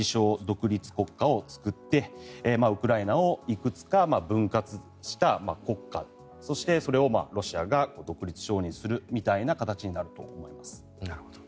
・独立国家を作ってウクライナをいくつか分割した国家そして、それをロシアが独立承認するみたいな形になると思います。